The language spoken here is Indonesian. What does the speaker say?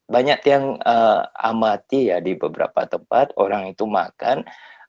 banyak yang amati ya di beberapa tempat orang itu makan